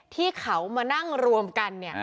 ที่เขามานั่งรวมกัน